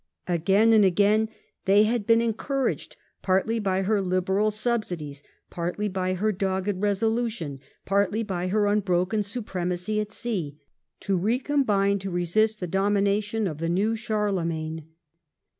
Again and again they had been encouraged, partly by her liberal subsidies, partly by her dogged resolution, partly by her unbroken supremacy at sea, to recombine to resist the domination of the new Charlemagne.